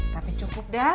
tapi cukup dah